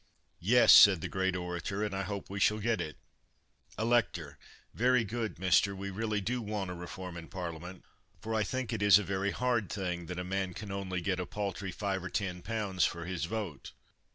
"Yes," said the great orator, "and I hope we shall get it." Elector: "Very good, Mister, we really do want a reform in parliament, for I think it is a very hard thing that a man can only get a paltry 5 or 10 pounds for his vote.